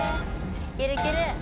いけるいける！